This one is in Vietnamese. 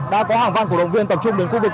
đã có hàng vạn cổ động viên tập trung đến khu vực